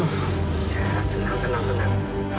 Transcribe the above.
ya tenang tenang tenang